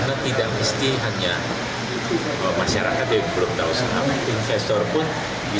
tapi bahwa permainan ini dilakukan di galeri galeri berguruan tinggi